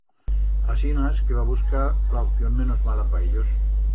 Asinas que va buscar la opción menos mala pa ellos.